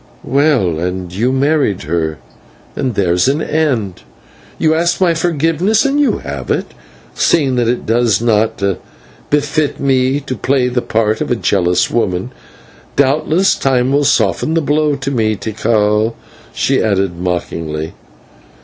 "Well, and you married her, and there's an end. You ask my forgiveness, and you have it, seeing that it does not befit me to play the part of a jealous woman. Doubtless time will soften the blow to me, Tikal," she added, mockingly.